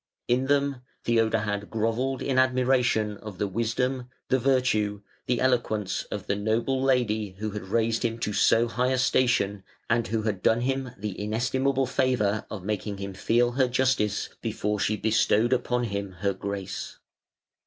In them Theodahad grovelled in admiration of the wisdom, the virtue, the eloquence of the noble lady who had raised him to so high a station and who had done him the inestimable favour of making him feel her justice before she bestowed upon him her grace.